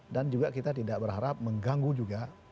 dan juga kita tidak berharap mengganggu juga